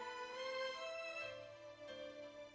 kamu temui saya di dalam ya